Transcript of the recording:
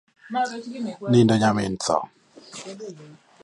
Nindo nyamin tho